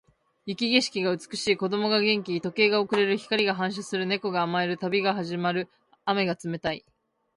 雪景色が美しい。子供が元気。時計が遅れる。光が反射する。猫が甘える。旅が始まる。雨が冷たい。